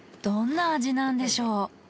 どんな味なんでしょう？